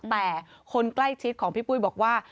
แต่คนใกล้ชิดของพี่ปุ้ยบอกว่า